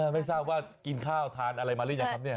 ไม่ทราบว่ากินข้าวทานอะไรมาหรือยังครับเนี่ย